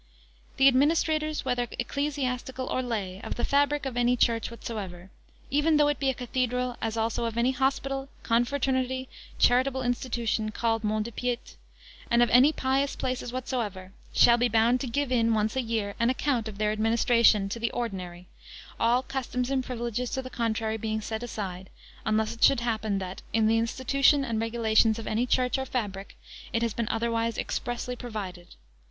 The administrators, whether ecclesiastical, or lay, of the fabric of any church whatsoever, even though it be a cathedral, as also of any hospital, confraternity, charitable institution called [Page 168] mont de piete, and of any pious places whatsoever, shall be bound to give in, once a year, an account of their administration to the Ordinary: all customs and privileges to the contrary being set aside; unless it should happen that, in the institution and regulations of any church or fabric, it has been otherwise expressly provided.